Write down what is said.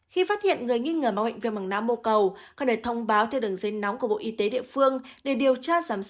khi phát hiện người nghi ngờ mắc bệnh viêm mảng nã mô cầu cần phải thông báo theo đường dây nóng của bộ y tế địa phương để điều tra giám sát xử lý kịp thời